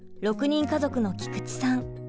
６人家族の菊池さん。